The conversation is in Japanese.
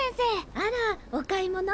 あらお買い物？